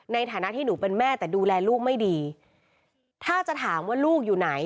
ในฐานะที่หนูเป็นแม่แต่ดูแลลูกไม่ดีถ้าจะถามว่าลูกอยู่ไหน